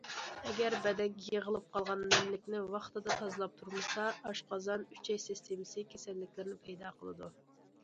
ئەگەر بەدەنگە يىغىلىپ قالغان نەملىكنى ۋاقتىدا تازىلاپ تۇرمىسا، ئاشقازان، ئۈچەي سىستېمىسى كېسەللىكلىرىنى پەيدا قىلىدۇ.